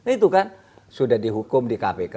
itu kan sudah dihukum di kpk